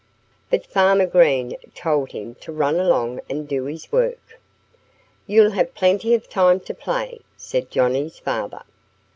But Farmer Green told him to run along and do his work. "You'll have plenty of time to play," said Johnnie's father.